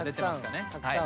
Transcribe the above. たくさん。